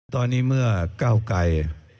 ตอนนี้เมื่อก้าวไกร